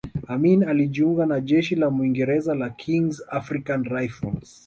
Amin alijiunga na Jeshi la Mwingereza la Kings African Rifles